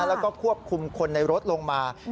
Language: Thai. แล้วก็ควบคุมคนในรถลงมา